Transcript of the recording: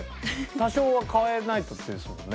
多少は変えないとですもんね。